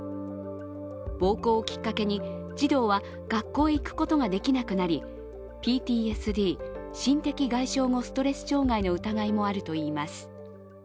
暴行をきっかけに児童は学校へ行くことができなくなり、ＰＴＳＤ＝心的外傷後ストレス障害の疑いもあるといいます。